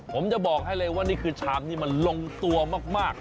ผมจะบอกให้เลยว่านี่คือชามที่มันลงตัวมาก